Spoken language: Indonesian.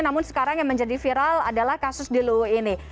namun sekarang yang menjadi viral adalah kasus di luwu ini